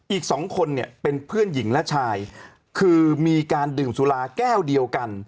อีกสองคนเนี่ยเป็นเพื่อนหญิงและชายคือมีการดื่มสุราแก้วเดียวกัน